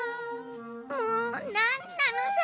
もうなんなの？